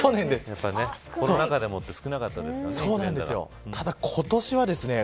コロナ禍でもっと少なかったですからね